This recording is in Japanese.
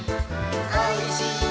「おいしいね」